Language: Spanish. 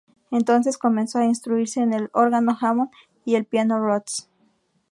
Entonces comenzó a instruirse en el órgano Hammond y el piano Rhodes.